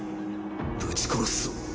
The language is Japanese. ぶち殺すぞ。